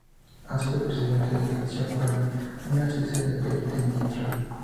Ha sido presidente de la Acción para una Suiza independiente y neutral.